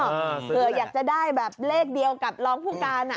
เผื่ออยากจะได้แบบเลขเดียวกับรองผู้การ